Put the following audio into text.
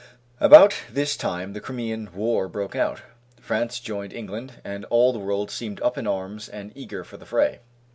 About this time the Crimean war broke out. France joined England, and all the world seemed up in arms and eager for the fray.